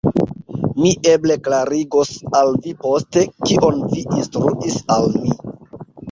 Mi eble klarigos al vi poste, kion vi instruis al mi.